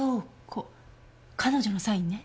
彼女のサインね。